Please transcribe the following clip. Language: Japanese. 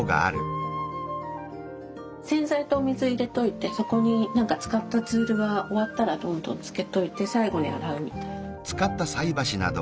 洗剤とお水入れといてそこに使ったツールは終わったらどんどんつけといて最後に洗うみたいな。